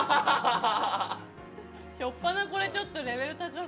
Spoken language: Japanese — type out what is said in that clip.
初っぱなこれちょっとレベル高過ぎない？